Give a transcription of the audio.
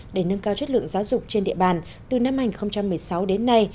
để nâng cao chất lượng giáo dục trên địa bàn từ năm hai nghìn một mươi sáu đến nay